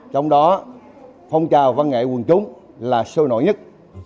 trong đó phong trào văn nghệ quần chúng là sôi nổi nhất